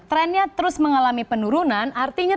trendnya terus mengalami penurunan artinya